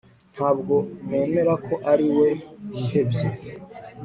Ntabwo nemera ko ari we wihebye